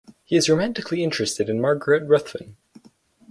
He is romantically interested in Margaret Ruthven.